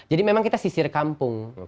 jadi memang kita sisir kampung